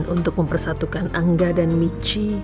untuk mempersatukan angga dan michi